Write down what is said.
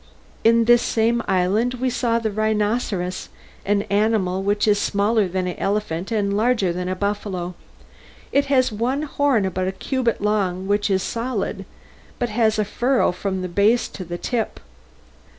In this same island we saw the rhinoceros, an animal which is smaller than the elephant and larger than the buffalo. It has one horn about a cubit long which is solid, but has a furrow from the base to the tip.